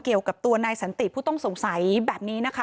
เกี่ยวกับตัวนายสันติผู้ต้องสงสัยแบบนี้นะคะ